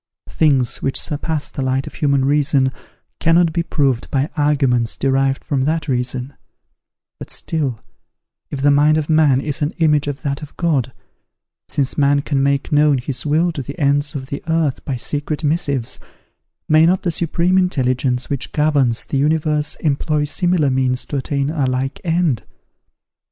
Things which surpass the light of human reason cannot be proved by arguments derived from that reason; but still, if the mind of man is an image of that of God, since man can make known his will to the ends of the earth by secret missives, may not the Supreme Intelligence which governs the universe employ similar means to attain a like end?